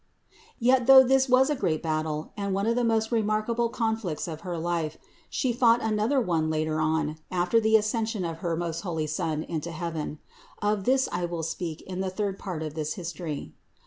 Yet, though this was a great battle, and one of the most remarkable conflicts of her life, She fought another one later on after the Ascension of her most holy Son into heaven. Of this I will speak in the third part of this history.